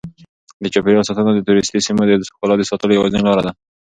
د چاپیریال ساتنه د توریستي سیمو د ښکلا د ساتلو یوازینۍ لاره ده.